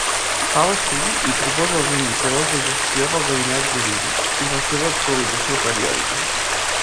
Fa l'estudi i proposa els indicadors de gestió del Gabinet Jurídic i la seva actualització periòdica.